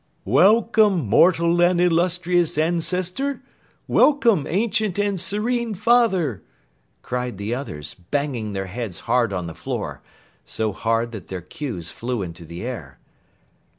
"Welcome, immortal and illustrious Ancestor! Welcome, ancient and serene Father!" cried the others, banging their heads hard on the floor so hard that their queues flew into the air.